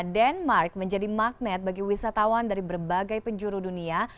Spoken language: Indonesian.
denmark menjadi magnet bagi wisatawan dari berbagai penjuru dunia